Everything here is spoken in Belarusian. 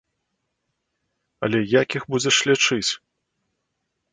Але як іх будзеш лячыць?